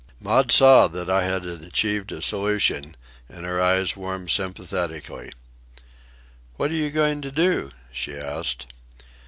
Maud saw that I had achieved a solution, and her eyes warmed sympathetically. "What are you going to do?" she asked.